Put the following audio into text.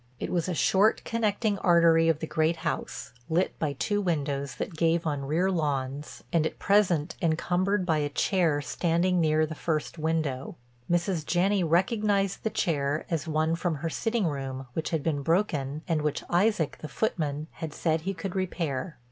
It was a short connecting artery of the great house, lit by two windows that gave on rear lawns, and at present encumbered by a chair standing near the first window. Mrs. Janney recognized the chair as one from her sitting room which had been broken and which Isaac, the footman, had said he could repair.